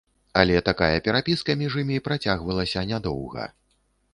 Але такая перапіска між імі працягвалася нядоўга.